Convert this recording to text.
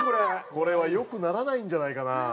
これは良くならないんじゃないかな。